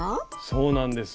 そうなんです。